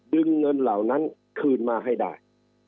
ดึงเงินเหล่านั้นคืนมาให้ได้